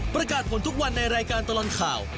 ประกาศผลทุกวันในรายการตลอดข่าว